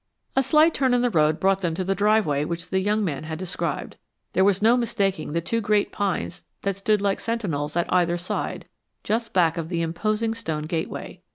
A slight turn in the road brought them to the driveway which the young man had described. There was no mistaking the two great pines that stood like sentinels at either side, just back of the imposing stone gateway.